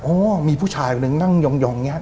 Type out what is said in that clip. โอ้มีผู้ชายหนึ่งนั่งยองนี่